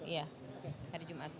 iya hari jumat